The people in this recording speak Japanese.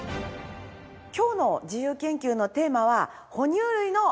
今日の自由研究のテーマは哺乳類の標本です。